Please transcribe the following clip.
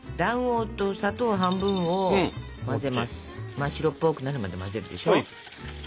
真っ白っぽくなるまで混ぜるでしょ。